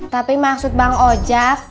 tapi maksud bang ojak